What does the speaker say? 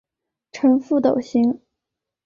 呈覆斗形。